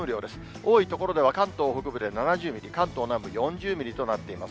多い所では関東北部で７０ミリ、関東南部４０ミリとなっています。